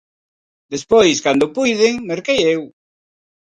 Despois, cando puiden, merquei eu.